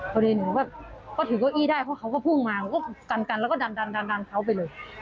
เพราะฉะนั้นหนูก็ถือก็อี้ได้เพราะเขาก็พุ่งมาหนูก็กันแล้วก็ดันเขาไปเลย